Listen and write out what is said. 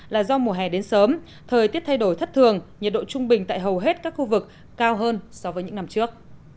là do mùa hè đến sớm thời tiết thay đổi thất thường nhiệt độ trung bình tại hầu hết các khu vực cao hơn so với những năm trước